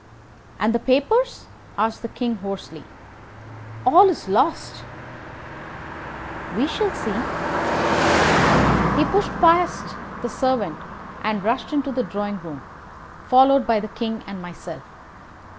"And the papers?" asked the King, hoarsely. "All is lost." "We shall see." He pushed past the servant and rushed into the drawing room, followed by the King and myself.